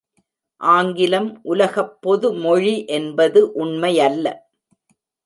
ஆங்கிலம் உலகப் பொதுமொழி என்பது உண்மையல்ல.